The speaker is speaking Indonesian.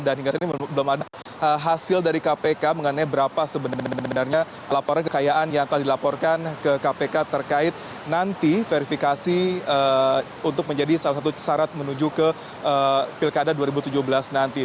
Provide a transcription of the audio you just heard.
dan hingga saat ini belum ada hasil dari kpk mengenai berapa sebenarnya laporan kekayaan yang telah dilaporkan ke kpk terkait nanti verifikasi untuk menjadi salah satu syarat menuju ke pilkada dua ribu tujuh belas nanti